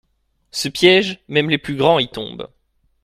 Ce piège, même les plus grands y tombent.